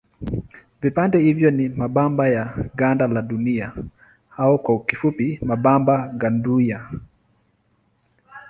Vipande hivyo ni mabamba ya ganda la Dunia au kwa kifupi mabamba gandunia.